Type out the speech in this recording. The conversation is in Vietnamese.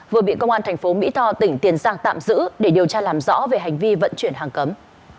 vừa bị công an thành phố mỹ tho tỉnh tiền giang tạm giữ để điều tra làm rõ về hành vi vận chuyển hàng cấm